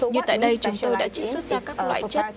như tại đây chúng tôi đã trích xuất ra các loại chất